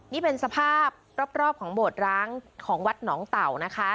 นี่เป็นสภาพรอบของโบสถ์ร้างของวัดหนองเต่านะคะ